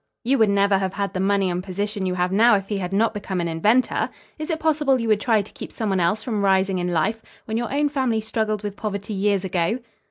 You would never have had the money and position you have now if he had not become an inventor. Is it possible you would try to keep some one else from rising in life, when your own family struggled with poverty years ago?"